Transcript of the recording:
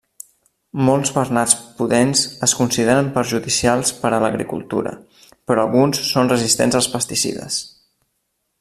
Molts bernats pudents es consideren perjudicials per a l'agricultura, però alguns són resistents als pesticides.